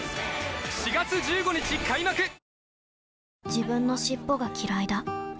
自分の尻尾がきらいだ